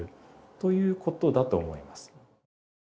ということだと思います。